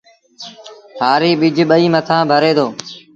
هآريٚ ٻج ٻئيٚ مٿآ ڀري دو